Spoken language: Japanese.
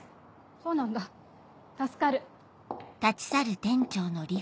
そうなんだ助かる。